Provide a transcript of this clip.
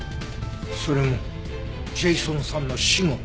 それもジェイソンさんの死後。